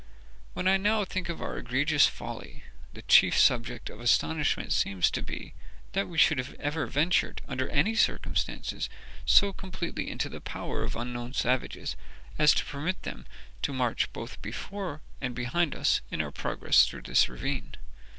When I now think of our egregious folly, the chief subject of astonishment seems to be, that we should have ever ventured, under any circumstances, so completely into the power of unknown savages as to permit them to march both before and behind us in our progress through this ravine.